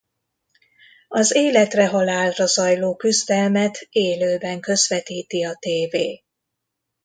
Az életre-halálra zajló küzdelmet élőben közvetíti a tévé.